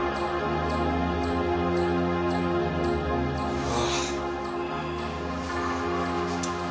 うわ。